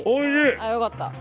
ああよかった。